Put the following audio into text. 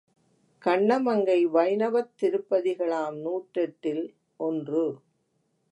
கண்ணமங்கை வைணவத் திருப்பதிகளாம் நூற்றெட்டில் ஒன்று.